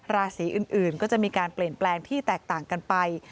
ราศีอื่นก็จะมีการเปลี่ยนแปลงที่แตกต่างกันไป